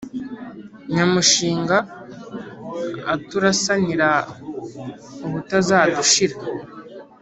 nyamushinga aturasanira ubutazadushira,